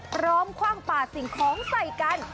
พร้อมคว่างปากสิ่งของใส่กัน